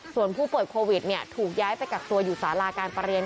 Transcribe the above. ส่วนผู้ป่วยโควิดถูกย้ายไปกักตัวอยู่สาราการประเรียน